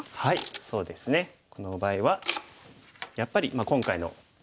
そうですねこの場合はやっぱり今回のテーマですよね。